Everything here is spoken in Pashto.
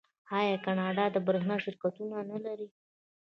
آیا کاناډا د بریښنا شرکتونه نلري؟